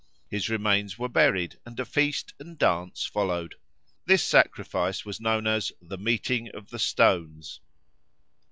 His remains were buried, and a feast and dance followed. This sacrifice was known as "the meeting of the stones."